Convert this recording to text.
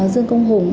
dương công hùng